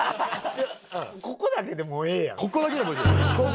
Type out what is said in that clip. ここだけでもうええやん。